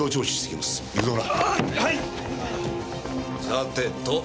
はい。